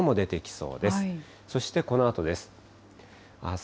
そしてこのあとです。